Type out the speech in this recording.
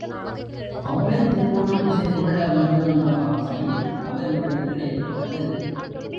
அவளைத் திருமணம் செய்துகொள்ள வேண்டுமென்ற ஆசை அவருள்ளத்தில் ஏற்பட்டது.